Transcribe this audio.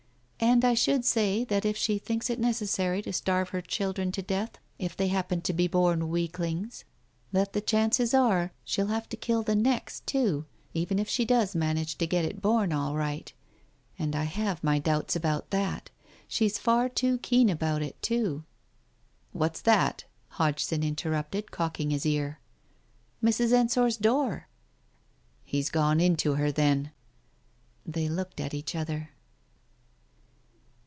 "And I should say that if she thinks it necessary to starve her children to death if they happen to be born weak Digitized by Google 312 TALES OF THE UNEASY lings, that the chances are she'll have to kill the next too, even if she does manage to get it born all right, and I have my doubts about that. She's far too keen about it, too " "What's that?" Hodgson interrupted, cocking his ear. "Mrs. Ensor's door !"" He's gone in to her, then !" They looked at each other.